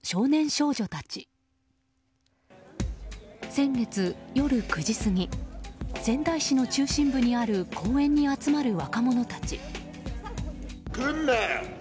先月、夜９時過ぎ仙台市の中心部にある公園に集まる若者たち。